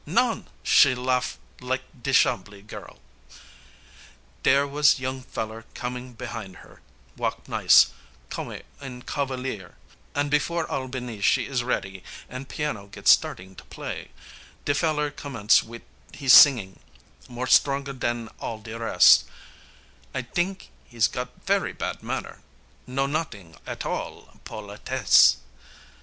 Non, she laugh lak de Chambly girl! Dere was young feller comin' behin' her, walk nice, comme un Cavalier, An' before All ba nee she is ready an' piano get startin' for play, De feller commence wit' hees singin', more stronger dan all de res', I t'ink he's got very bad manner, know not'ing at all politesse.